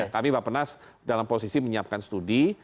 kami bapak penas dalam posisi menyiapkan studi